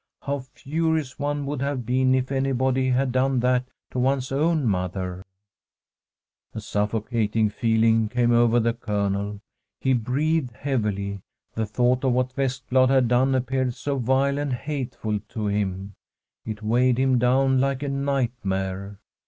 how furious one would have been if anybody had done that to one's own mother ! A suffocating feeling came over the Colonel ; he breathed heavily. The thought of what Vest blad had done appeared so vile and hateful to him, it weighed him down like a nightmare.